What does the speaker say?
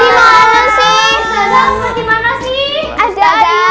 dimana sih ada ada saja